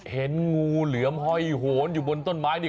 เห็นงูเหลือมห้อยโหนอยู่บนต้นไม้นี่